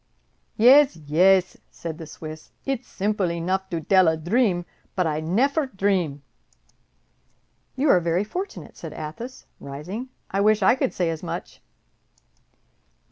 "Yez, yez," said the Swiss; "it's simple enough to dell a dream, but I neffer dream." "You are very fortunate," said Athos, rising; "I wish I could say as much!"